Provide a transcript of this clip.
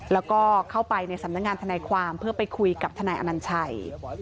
แล้วก็เข้าไปในสำนักงานทนายความเพื่อไปคุยกับทนายอนัญชัย